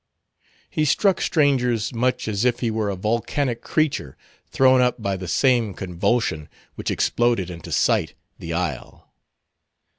He struck strangers much as if he were a volcanic creature thrown up by the same convulsion which exploded into sight the isle.